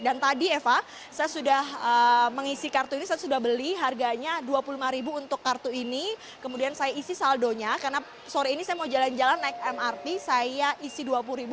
dan tadi eva saya sudah mengisi kartu ini saya sudah beli harganya rp dua puluh lima untuk kartu ini kemudian saya isi saldonya karena sore ini saya mau jalan jalan naik mrt saya isi rp dua puluh